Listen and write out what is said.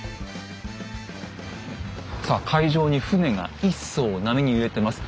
さあ海上に船が１艘波に揺れてます。